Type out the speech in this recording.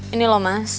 ini loh mas